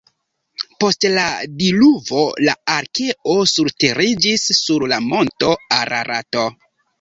Post la diluvo la arkeo surteriĝis sur la monto Ararato.